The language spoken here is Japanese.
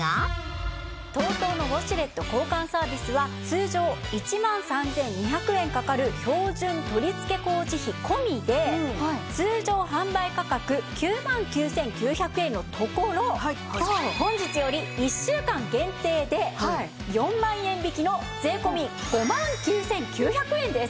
ＴＯＴＯのウォシュレット交換サービスは通常１万３２００円かかる標準取付工事費込みで通常販売価格９万９９００円のところ本日より１週間限定で４万円引きの税込５万９９００円です！